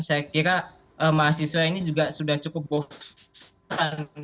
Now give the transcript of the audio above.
saya kira mahasiswa ini juga sudah cukup bosan